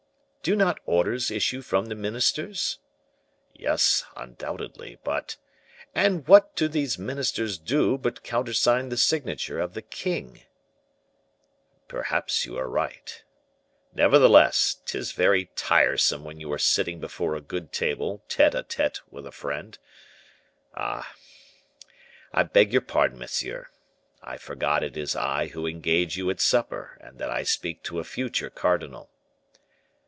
"Do not orders issue from the ministers?" "Yes, undoubtedly; but " "And what to these ministers do but countersign the signature of the king?" "Perhaps you are right. Nevertheless, 'tis very tiresome when you are sitting before a good table, tete a tete with a friend Ah! I beg your pardon, monsieur; I forgot it is I who engage you at supper, and that I speak to a future cardinal."